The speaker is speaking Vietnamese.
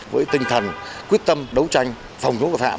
với tinh thần quyết tâm đấu tranh phòng chống tội phạm